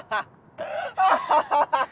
アハハハハ！